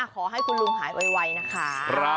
ขอให้คุณลุงหายไวนะคะ